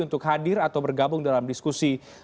untuk hadir atau bergabung dalam diskusi